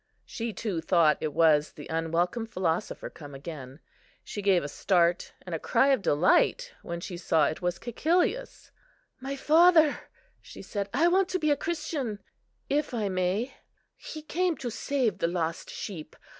She too thought it was the unwelcome philosopher come again; she gave a start and a cry of delight when she saw it was Cæcilius. "My father," she said, "I want to be a Christian, if I may; He came to save the lost sheep.